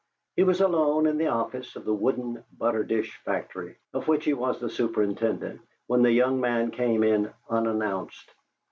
He was alone in the office of the wooden butter dish factory, of which he was the superintendent, when the young man came in unannounced.